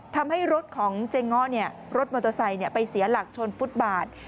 ทำให้รถของเจ๊ง้อรถมอเตอร์ไซค์ไปเสียหลักชนฟุตบาท